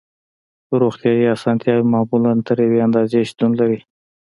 روغتیایی اسانتیاوې معمولاً تر یوې اندازې شتون لري